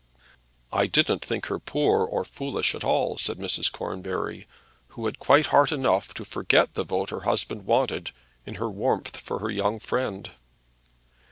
"I didn't think her poor or foolish at all," said Mrs. Cornbury, who had quite heart enough to forget the vote her husband wanted in her warmth for her young friend.